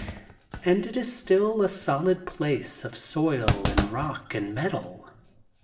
And it is still a solid place of soil and rock and metal.